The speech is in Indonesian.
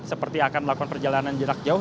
seperti akan melakukan perjalanan jarak jauh